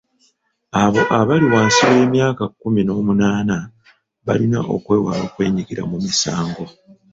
Abo abali wansi w'emyaka kkumi n'omunaana balina okwewala okwenyigira mu misango.